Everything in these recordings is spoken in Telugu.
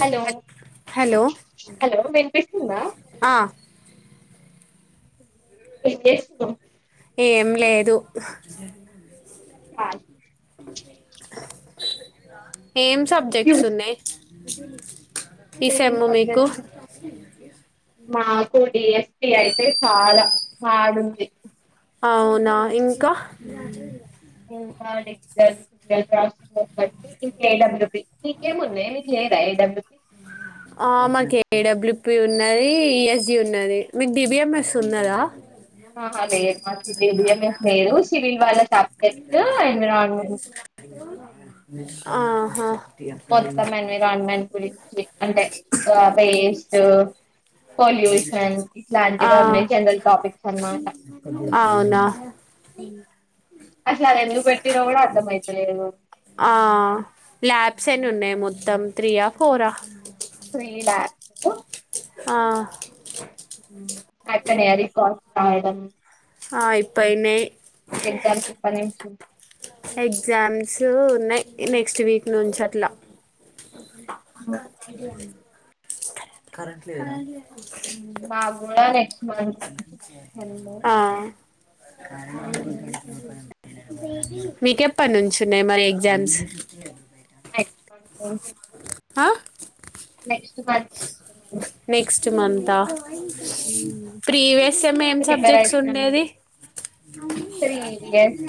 హలో హలో హలో వినిపిస్తుందా? ఆ ఏం చేస్తున్నావ్? ఏం లేదు కాల్ న్ ఏం సబ్జెక్ట్స్ ట్యూస్ ఉన్నయ్ అ ఈ ఏమేం సెమ్ము మీకు సబ్జెక్ట్స్ మాకు డి ఎస్ పి అయితే చాలా హాడు ఉంది. అవునా ఇం క [unintelligible] [unintelligible] నీకేమున్నయే మీకు లేదా A W P E W P ఉన్నది, ఈ ఎస్ డి ఉన్నది. మీకు డి బి ఎం ఎస్ ఉన్నదా? ఆహా లేదు మాకి డి బి ఎం ఎస్ లేదు, సివిల్ వాళ్లకి స సు ఎన్విరాన్మెంట్ ఆహా మొత్తం ఎన్విరాన్మెన్ గురించి అంటే వేస్ట్, పొల్యూషన్ ఆ ఇట్లాంటివన్నీ జనరల్ టాపిక్స్ అనమాట. అవునా అసలు ఎందుకు పెట్టిర్రో కుడా అర్థమైతలేదు. సెన్ ఉన్నయ్ మొత్తం త్రియా ఫోరా త్రీ లాబ్స్ ఆ అయిపోయినయా రికార్డ్స్ రాయడం. ఆ ఇప్పపోయ్ నై ఎగ్జామ్స్ ఇప్పటి నుంచి ఎగ్జామ్స్ ఉన్నయ్, నెక్స్ట్ వీక్ నుంచి అట్లా ఓ ఇడి కరెట్ లే హు మాగుడా నే ఆ [inaudible] మీకెప్పటి నుంచున్నాయి మరి ఎగ్జామ్స్ అ మాకు ఫెన్స్ ఆహా నెక్స్ట్ మంత్ నెక్స్ట్ మంత తా ప్రీవియస్ ఏమ్ ఏం ప్రిపేర్ సబ్జెక్ట్స్ అయితున్నాం ఉండేది త్రీ ఇయర్స్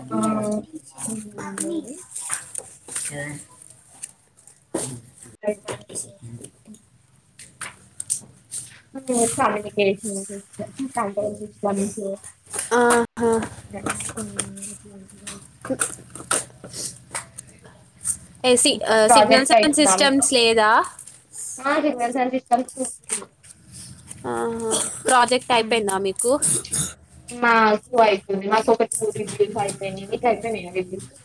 ఆ ఏది [inaudible] నాకేమో కమ్యూనికేషన్ స్కిల్స్ ఆహా [inaudible] కు ఏ సి, ఆ సిగ్నల్స్ ప్రాజెక్ట్ సౌండ్ అయితుందా మీకు సిస్టమ్స్ లేదా కరెక్ట్ గా ఒప్పుకున్నా ఆహ ప్రాజెక్ట్ ఐ పోయింద, మీకు. కు వే ఊ మాకు ఒక టు రివ్యూస్ అయిపోయినవి అయిపోయినయా మీ గినక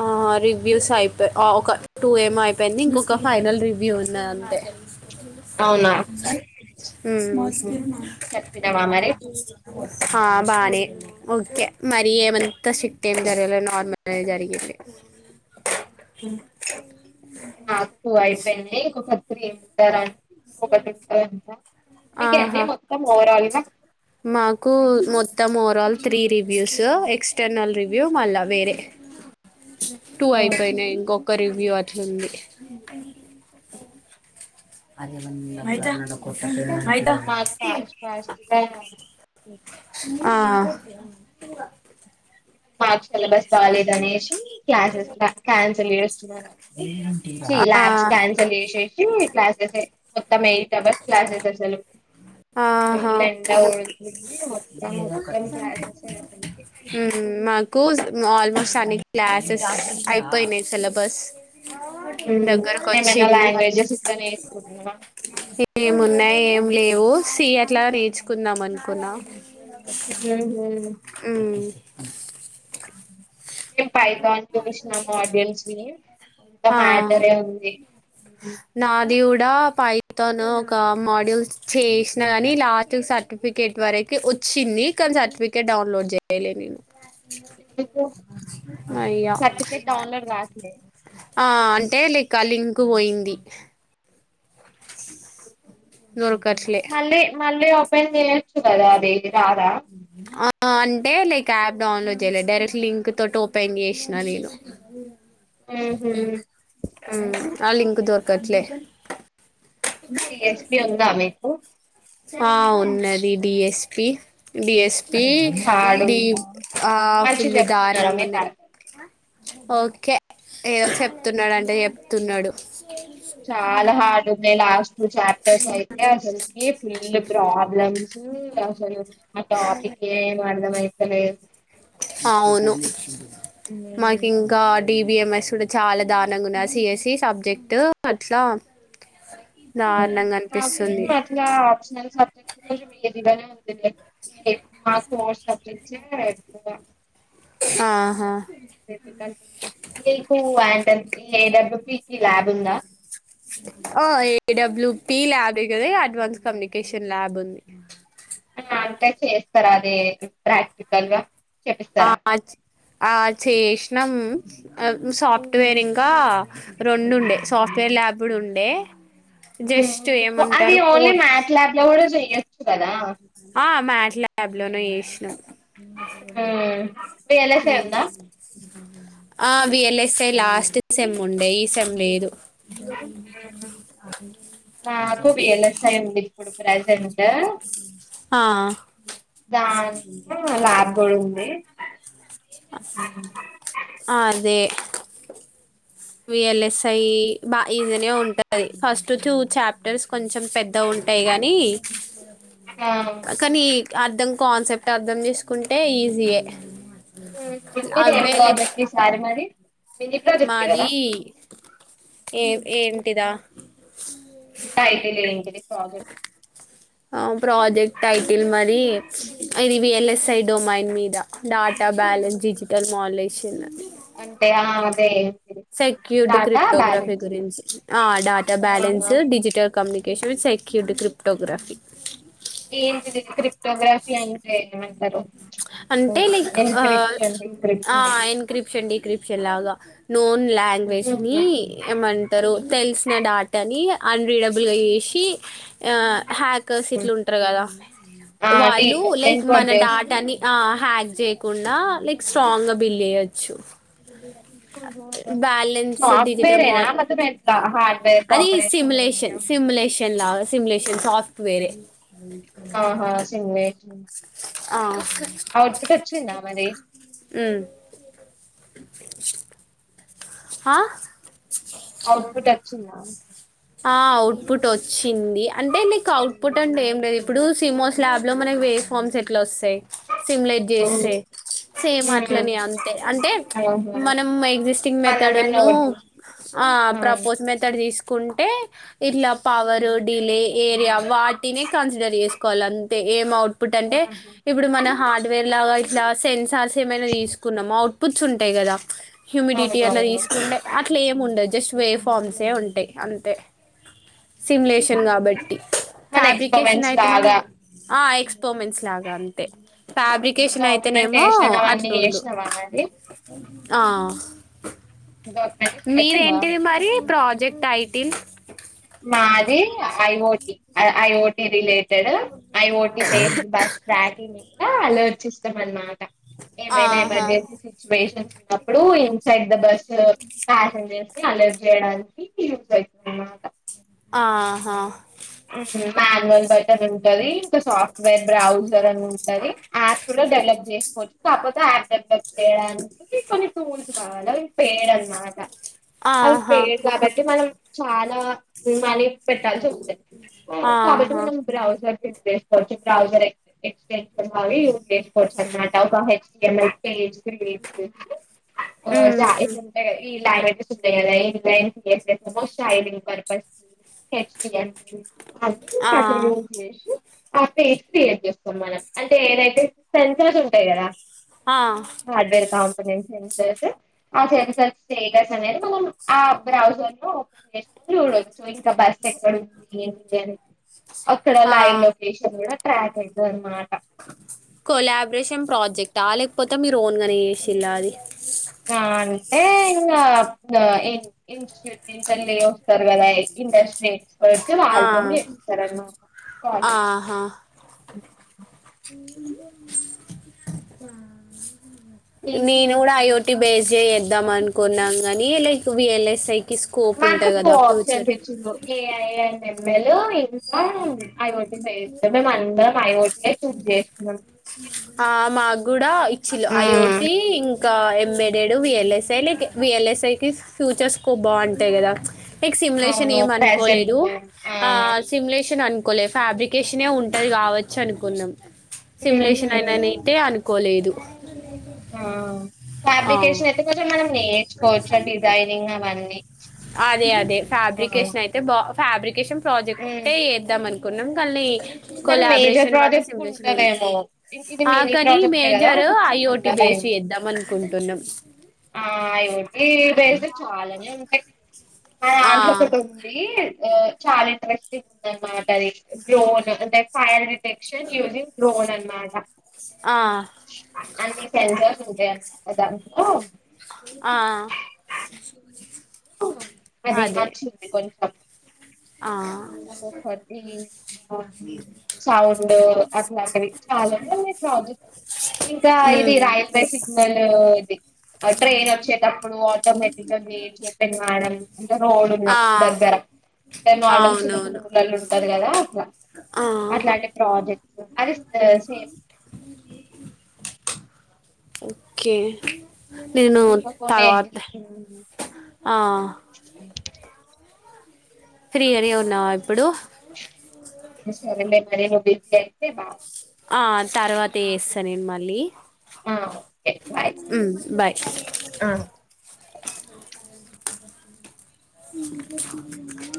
ఆ రివ్యూస్ అయిపొ ఆ ఒక టు ఏం అయిపొయింది. ఇంకొక ఫైనల్ రివ్యూ ఉంది అంతె. అవునా ఊ చెప్పినవా మరి హ బానె ఓకె మరి ఏమంత సిక్ తిందరలొనార్మల్ జరి [inaudible] హు మాకు అయిపోయినాయి ఇంకొక త్రి ఉంటే రా ఇంకొకటి ఉంటది అంట మీకు ఎన్ని మొత్తం ఓవరాల్ గా [inaudible] మకూ మొత్తం ఓవరాల్ త్రీ రివ్యూస్ సు ఎక్స్టర్నల్ రివ్యూ మళ్ళ వేరె టు అయిపోయినాయి ఇంకొ ఒక ఒకరివ్యూ వచ్చింది ఉహ్ అదె ఏం అయింది మత్ ఫాస్ట్ ఫాస్ట్ గా హు ఆ మార్చ్ సిలబస్ బాలేద్ అనేసీ, క్లాసెస్ కూడా క్యాన్సిల్ చేస్తున్నారు సి ల్యాబ్స్ ఆ. క్యాన్సిల్ జెసె సి క్లాస్సేస్ సె మొత్తం, ఎయిట్ టవర్స్ క్లాసెస్ అసలు, ఎయిట్ [unintelligible] అవర్ ఉంది [unintelligible] ఏదొ ఒకటి కూజ్ హ్మ్ ఆల్మోస్ట్ అన్ని క్లా సీస్ అయిపొయినయ్ సిలబస్ హ్మ్ దగ్గరకు ఏదన్నా వచ్చింది లాంగ్వేజస్ ఇట్ల నేర్చుకుంటున్నావా ఉన్నాయి ఏం లేవు సి అట్లా నేర్చుకుందాం అనుకున్నా. [unintelligible] హు హ్మ్ మేం పైతాన్ చూసినాం ఆడియన్స్ని మొత్తం ఆ మ్యాటరే ఉంది. ఉమ్. నాది గుడ్ డా పైతాన్ ఒక మాడ్యూల్స్ చేసినా గని లాస్ట్ సర్టిఫికేట్ వరకి ఒచ్చింది కానీ సర్టిఫికేట్ డౌన్లోడ్ చేయలే నేను. సర్టిఫికెట్ అయ్యా సర్టిఫికెట్ డౌన్లోడ్ కాట్లే ఆ అం టేలి కాలింగ్ పోయింది. ఓ దొర్కట్లే మళ్ళీ మళ్ళీ ఓపెన్ చేయొచ్చు కదా అది రాదా హ్మ్ హు ఆ అంటే లైక్ యాప్ డౌన్లోడ్ చేయ్యలే డైరెక్ట్ లింక్ తోటి ఓపెన్ చేసినా నేను హ్మ్ హు ఆ లింక్ దొర్కట్లే డి ఎస్పి ఉందా మీకు? ఆ ఉన్నది డిఎస్పీ డిఎస్పీ హార్డ్ డి ఉందా ఆ మంచిగ ఫుల్ చెప్తున్నారా దారుణంగా మీ ఉన్నయి. ఫ్యాకల్టీ ఓకే ఏదో చెప్తున్నాడంటే చెప్తున్నడు. చాలా హార్డ్ ఉన్నాయి. లాస్ట్ చట్ ట్ అయితే అసల్కి ఫుల్ ప్రాబ్లమ్స్ అసలు ఆ టాపిక్ ఏ అర్థమైతలేద్ అవును మాకింక డీ బిఎంఎస్ గుడా చాలా దారుణంగా ఉన్నయి ఆ సిఎస్సి సబ్జెక్ట్ అట్లా హు దారుణంగా నాకు అనిపిస్తుంది అట్లా అడిష్ణల్ సబ్జెక్టు [unintelligible] [inaudible] మా క్ ఫర్ సబ్జెక్ట్ ఏ టే ఎక్కువ ఆహా మీకు అంటేన్ ఏ డబ్లు పి ఆ A W P lab ఎ కదా అడ్వాన్స్ కమ్యూనికేషన్ ల్యాబ్ ఉంది ఆ అంటే చేస్తార అది ప్రాక్టికల్ గా ఆ చెప్పిస్తారా చె ఆ చేషీనం ఆ ఉమ్. సాఫ్ట్వేర్ ఇంకా రెండు ఉండే సాఫ్ట్వేర్ ల్యాబ్ కూడా ఉన్ డె మ్ హు ఆది ఓన్లీ కోర్స్ మ్యాట్ ల్యాబ్ లో కూడా చేయొ కదా ఆ మ్యాట్ ల్యాబ్ లోనే చేసినం ఉమ్. హు విఎల్ఎస్ఐ ఉందా ఆ విఎల్ఎస్ఐ లాస్ట్ సెమ్ ఉండే ఈ సెమ్ లేదు అహ మాకు వి ఈ ఎల్ ఎస్ ఐ ఉంది ఇప్పుడు ప్రజెంట్ ఆ ఆ, దాంట్లో ల్యాబ్ కూడ ఉంది ఆదే విఎల్ఎస్ఐ బా ఈజీనే ఉంటది ఫస్ట్ టూ చాప్టర్స్ కొంచెం పెద్దగుంటాయి గానీ ఆ కానీ అర్థం కాన్సెప్ట్ అర్థం చేసుకుంటే ఈజీయే హు మీరు ఏ అవే లైక్ ప్రాజెక్ట్ చేసారు మరి మీది ప్రాజెక్టే మాది కదా ఏ ఏ టిదా టైటిల్ ఏంటిది ప్రాజెక్ట్ ఆ ప్రాజెక్ట్ టైటిల్ మరి ఇది విఎల్ఎస్ఐ డొమైన్ మీద డాటా బ్యాలెన్స్ డిజిటల్ మాలేషన్ అంటే ఆ అదే సెక్యూర్డ్ డాటా క్రిప్టోగ్రాఫీ బ్యాలెన్స్ గురించి ఆ డాటా బాలన్స్ ఆహా డిజిటల్ కమ్యూనికేషన్ సెక్యూరిటీ క్రిప్టోగ్రఫీ ఏంటిది క్రిప్టోగ్రఫీ అంటే ఏమంటరు. అంటే లైక్ ఆ ఎన్క్రిప్షన్ డిన్క్రిప్షన్ క్రిప్సన్ లాగా నోన్ లాంగ్వేజ్ ని ఏమంటరు తెలిసిన డాటాని అన్ రీడబుల్ గా చేసి హ్యాక్ స్ ఇట్లు ఉంటరు కదా ఆ డీ వాళ్ళు లైక్ ఎన్కోడ్ మన చేస్ డాటాని ఆ హ్యాక్ చేయకుండా లైక్ స్ట్రాంగ్ గా బిల్ చేయచ్చు. సాఫ్ట్ వేరేనా మాల్ ఎన మొత్తం ఎట్లా హార్డ్వేర్ అది కార్పొరేట్స్ అని ఉంటాయా నేన్ సాఫ్ట్వే ఆహ సిమ్ ని ఆ ఔట్ పుట్ వచ్చిందా మరి ఉమ్ ఆ ఔట్ ఫుట్ వచ్చిందా ఆ అవుట్పుట్ వచ్చింది. అంటే నిక్ అవుట్పుట్ అంటే ఏం లేదు. ఇప్పుడు సిమో స్ లాబ్ లో మనకి వే ఫామ్స్ ఎట్లా వస్ సిమ్యులేట్ ఉమ్, జేస్తే సేమ్ ఉమ్, అట్లనే అంతే అంటే ఆహా. మనం యాక్సిస్టింగ్ మెథడ్ మనమే ను నోట్ చేస్ ఆ ప్రపోజ్ మెథడ్ తీస్ కున్ టె ఇట్ల పవరు డిలే ఏరియా వాటినే కన్సిడర్ చేసు వాలంతే ఏమవుట్ ఇన్పుట్ అంటే ఇప్పుడు మనం హార్డ్వేర్ లాగా లా సెన్సార్స్ ఏమైనా తీసుకున్నామౌ పుట్స్ ఉంటాయి కదా హ్యూమిడిటీ అట్లా అవునవును తీసుకుంటే అట్లా ఏమి ఉండదు. జస్ట్ వే ఫామ్సే ఉంటాయి అంతే తే సిమ్లేషన్ కాబట్టి మన ఫ్యాబ్రికేషన్ ఎక్స్పరిమెంట్స్ అయితేనేమో లాగా ఎక్స్పోమెంట్స్ లాగా అంతే ఫ్యాబ్రికేషన్ అయితేనేమో డాక్యుమెంటేషన్ అవన్నీ అట్లుండు చేసినావా మరి ఆ డాక్యుమెంటేషన్ అయిపోయిందా మీరేంటిది మరి ప్రాజెక్ట్ అయి టీన్ మాది ఐఓ IoT related IoT based bus tracking ఆ అలర్ట్స్ ఇస్తాం అన్నమాట ఏమైనా ఆహా ఎమర్జెన్సీ సిచ్యువేషన్స్ ఉన్నప్పుడు inside the bus passengers alert చేయడానికి యూస్ అయితుందనమాట ఆహా మాన్వల్ బటన్ ఉంటది ఇంకా సాఫ్ట్వేర్ బ్రౌజర్ అని ఉంటది ది యాప్ లో డెవలప్ చేసుకోవచ్చు కాకపోతే యాప్ డెవలప్ చేయడానికి కొన్ని టూల్స్ వాళ్ళది పెయిడన్మాటా అది ఆహా పెయిడ్ కాబట్టి మనం చాలా [unintelligible] పెట్టాల్సి వస్తది కాబట్టి ఆహా మనం బ్రౌజర్ [unintelligible] చేసుకోవచ్చు బ్రౌజర్ [unintelligible] కొంచెం. [unintelligible] ఇయాల మిరపకాయ ఉహు, చేసిన చంట [unintelligible] క్లాస్టైడింగ్ పర్పస్ హెచ్టి యం [unintelligible] అ ఆ కట్టసి [unintelligible] [unintelligible] అఫడ ఎక్స్పీరియన్స్ ఇస్తాం మనం అంటే ఏదైతే సెన్సార్స్ ఉంటాయి కదా ఆ హార్డ్వేర్ కామ్ సెన్సర్స్ ఆ సెన్సర్ స్టేటస్ అనేది మనం ఆ బ్రౌజర్ లో ఓపెన్ చేసుకొని చూడచ్చు ఇంకా బస్ ఎక్కడ ఉంది [unintelligible] అక్కడ ఆ లైవ్ లోకేషన్ కూడా ట్రాక్ అయితదన్మాట కొలాబరేషన్ ప్రాజెక్టా ఆ లేకపోతే మీరు ఓన్ గానే చేశిల్లా అది. ఆ ఏ ఇంగ ఇంగ ఇన్ ఇన్ట్యూట్ నించెల్లి వస్తారు కదా ఇండస్ట్రీ. వొచ్ [unintelligible] ఆ వాళ్ళతోని చేపిస్తారన్ మాట కాలు సు ఆహా మీకు నేను కూడా అయోడ్ టి బేస్ చేయిద్దాం అనుకున్నాం గాని, like V L S I. మాకు టూ ఆప్షన్స్ ఇచ్చిళ్ళు ఏఐ యన్ యమ్ మేలోయి [unintelligible] మేమందరం ఐవో టి ఏ చూస్ చెస్. లన్ [unintelligible] ఆ మాక్కూడా ఇచ్చిల్లు ఐ ఒ మ్మ్ టి. ఇం ఇంకా ఎంఏడేడు విఎల్ఎస్ఐ లైక్ విఎల్ఎస్ఐకి ఫ్యూచర్ స్కోప్ బాగుంటాయి కదా. ఎక్ సిమ్ లేషన్ అవును ఏం అనుకోలేదు ప్రెజెంటబుల్ ఆ సిమ్లేషన్ అన్. కొలె ఫాబ్రికేషనే ఉంటది కావోచ్చు అనుకున్నాం. సిమ్ ఉమ్, లేషన్ అయిన ఉమ్, నిటే అను. కోలేదు. ఆ ఫాబ్రికెష్ ఆ. నైతే కొంచం మనం నే పోచర్ డిజైనింగ్ అలా అండి అదే అదే ఫాబ్రికేషన్ అయితే బా ఫ్యాబ్రి కేషన్ ప్రాజెక్ట్ ఉమ్. టే ఏద్దామని కొన్నం కల్నే కానీ మేజర్ ప్రాజెక్ట్ ఉంటదేమో ఇది ఆ మినీ కానీ ప్రాజెక్ట్ కదా మేజర్ కొంచెం ఐఓటి బేస్ ఉండదేమో చేద్దాం అనుకుంటున్నాం ఆ ఇవి బేసు డ్ చాలానే ఉంటాయి ఆ అదోకటి ఉంది ఆ చాలా ఇంట్రెస్టింగ్ ఉంది. అన్నమాట అది డ్రోన్ టే ఫైర్ డిటెక్షన్ యూజంగ్ డ్రోన్ అన్న మాట ఆ అన్ని సెన్సర్స్ ఉంటాయి అం దాంట్లో ఆ అదే ఆ అదొకటి ఆ సౌండ్ అట్లాంటివి చాలావున్నాయి ప్రాజెక్ట్ ఇంకా ఇది ఉమ్, రాయాల్ బెస్ సిగ్ నాలు ఇది ఆ ట్రేన్ వచ్చేటప్పుడు అ చుపివ్ [unintelligible] మేడమ్ అంటే రోడ్ ఆ ఉనమ్ దగ్గర అంటే నార్మల్ స్ చిన్న అవునవును చిన్న ఊర్లలో ఉంటది కదా అట్లా ఆ, అట్లాంటి ప్రాజెక్ట్స్ అది కాసేపు ఓకే నేను ఇంకా కొన్ని తర్వాత ఎగ్జిస్టింగ్ ఆ ఫ్రీగా గానే ఉన్నావా ఇప్పుడు సరేలే మరి నువ్వు బిజి అయితే బాయ్ ఆ తర్వాత చేస్తా నేను మళ్ళీ ఆ ఓకే బాయ్ ఉం బాయ్ ఆ [inaudible]